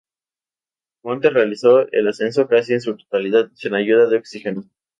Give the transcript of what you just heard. Montes realizó el ascenso, casi en su totalidad, sin ayuda de oxígeno.